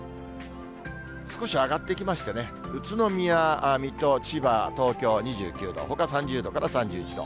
少し上がってきましてね、宇都宮、水戸、千葉、東京２９度、ほか３０度から３１度。